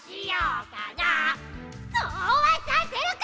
そうはさせるか！